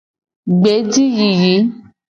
Gbe ji yiyi.